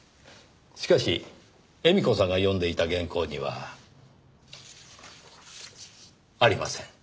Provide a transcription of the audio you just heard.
しかし絵美子さんが読んでいた原稿にはありません。